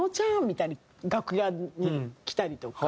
みたいに楽屋に来たりとか。